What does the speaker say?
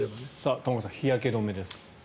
玉川さん日焼け止めです。